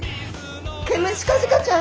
ケムシカジカちゃん。